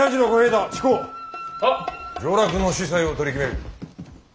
上洛の子細を取り決める。